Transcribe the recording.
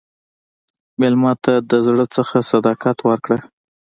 مېلمه ته د زړه نه صداقت ورکړه.